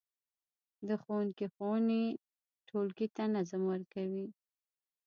د ښوونکي ښوونې ټولګي ته نظم ورکوي.